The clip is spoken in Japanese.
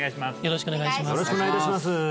よろしくお願いします